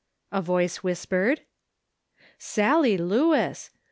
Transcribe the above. " a voice whispered. Sallie Lewis